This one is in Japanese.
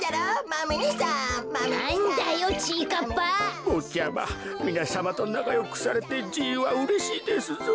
ぼっちゃまみなさまとなかよくされてじいはうれしいですぞ。